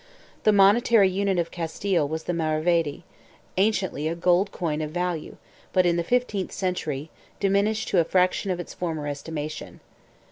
The monetary unit of Castile was the maravedt, anciently a gold coin of value but, in the fifteenth century, diminished to a fraction of its former estimation.